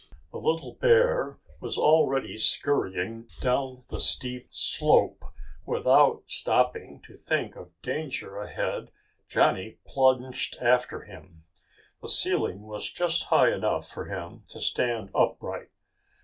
The little bear was already scurrying down the steep slope. Without stopping to think of danger ahead, Johnny plunged after him. The ceiling was just high enough for him to stand upright.